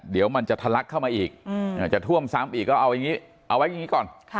เดี๋ยวมันจะทะลักเข้ามาอีกจะท่วมซ้ำอีกก็เอาไว้อย่างนี้ก่อน